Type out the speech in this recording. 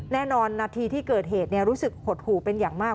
นาทีที่เกิดเหตุรู้สึกหดหู่เป็นอย่างมาก